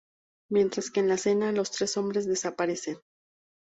Mientras que en la cena los tres hombres desaparecen.